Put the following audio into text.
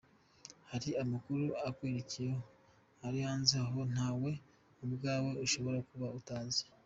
Hari amakuru akwerekeyeho ari hanze aha na we ubwawe ushobora kuba utazi.